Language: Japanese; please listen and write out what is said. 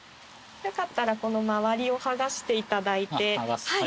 よかったらこの周りを剥がしていただいて。